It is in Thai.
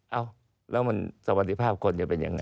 เอ้าแล้วมันสวัสดิภาพคนจะเป็นยังไง